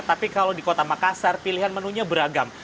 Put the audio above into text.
tapi kalau di kota makassar pilihan menunya beragam